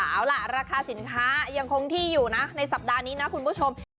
เอาล่ะราคาสินค้ายังคงที่อยู่นะในสัปดาห์นี้นะคุณผู้ชม